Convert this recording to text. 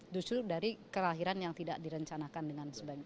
justru dari kelahiran yang tidak direncanakan dengan sebagainya